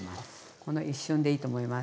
この一瞬でいいと思います。